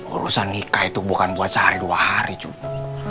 urusan nikah itu bukan buat sehari dua hari cuma